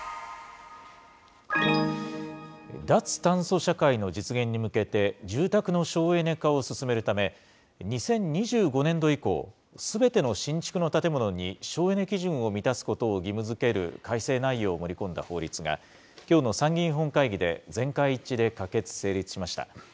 脱炭素社会の実現に向けて、住宅の省エネ化を進めるため、２０２５年度以降、すべての新築の建物に省エネ基準を満たすことを義務づける改正内容を盛り込んだ法律が、きょうの参議院本会議で全会一致で可決・成立しました。